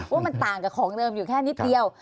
ว่ามันต่างกับของเดิมอยู่แค่นิดเดียว